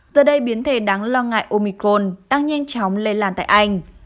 giờ đây biến thể đáng lo ngại omicron đang nhanh chóng lây lan tại anh